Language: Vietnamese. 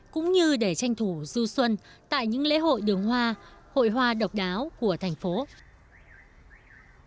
cũng như để tranh thủ du xuân tại những lễ hội đường hoa hội hoa độc đáo của thành phố